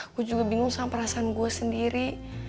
aku juga bingung sama perasaan gue sendiri